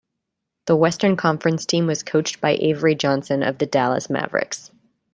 The Western Conference team was coached by Avery Johnson of the Dallas Mavericks.